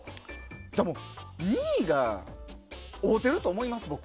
でも、２位が合うてると思います。